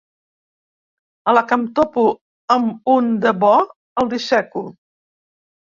A la que em topo amb un de bo, el disseco.